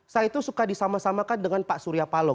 saya itu suka disama samakan dengan pak surya palo